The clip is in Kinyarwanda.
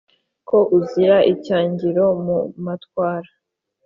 Ko uzira icyangiro mu matwara,